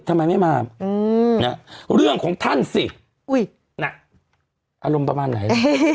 ทำไมไม่มาอืมเนี้ยเรื่องของท่านสิอุ้ยน่ะอารมณ์ประมาณไหน